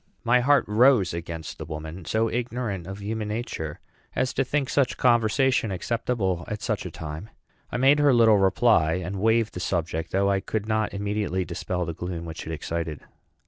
My heart rose against the woman, so ignorant of human nature as to think such conversation acceptable at such a time. I made her little reply, and waved the subject, though I could not immediately dispel the gloom which it excited.